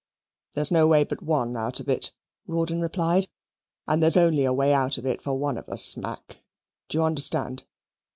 "There's no way but one out of it," Rawdon replied "and there's only a way out of it for one of us, Mac do you understand?